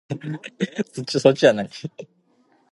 She was buried with her husband in Henham.